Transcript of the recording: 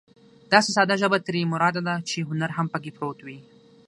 داسې ساده ژبه ترې مراد ده چې هنر هم پکې پروت وي.